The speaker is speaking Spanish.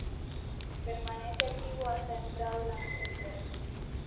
Permanece activo hasta entrado el anochecer.